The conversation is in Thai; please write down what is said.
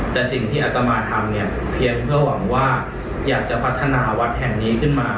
แต่สิ่งที่อัตมาทำเนี่ยเพียงเพื่อหวังว่าอยากจะพัฒนาวัดแห่งนี้ขึ้นมา